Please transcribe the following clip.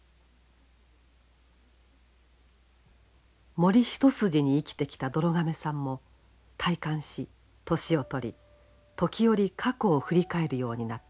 森一筋に生きてきたどろ亀さんも退官し年を取り時折過去を振り返るようになった。